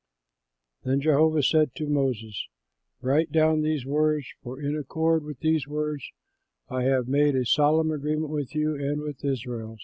Then Jehovah said to Moses, "Write down these words, for in accord with these words I have made a solemn agreement with you and with Israel."